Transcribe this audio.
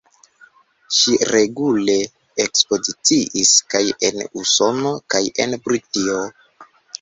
Ŝi regule ekspoziciis kaj en Usono kaj en Britio.